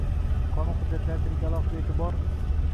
Qonun hujjatlari tiliga alohida e’tiborng